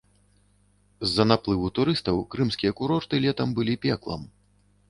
З-за наплыву турыстаў крымскія курорты летам былі пеклам.